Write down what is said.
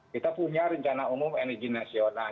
kita punya rencana umum energi nasional